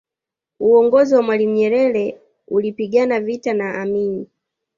uongozi wa mwalimu nyerere ulipigana vita na amini